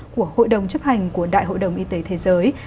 của hội đồng chấp hành của đại hội đồng y tế thế giới